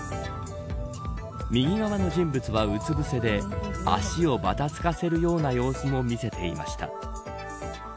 右側の人物はうつぶせで足をばたつかせるような様子も見せていました。